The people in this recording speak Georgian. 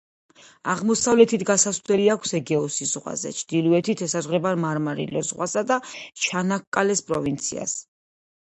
აღმოსავლეთით გასასვლელი აქვს ეგეოსის ზღვაზე, ჩრდილოეთით ესაზღვრება მარმარილოს ზღვასა და ჩანაქკალეს პროვინციას.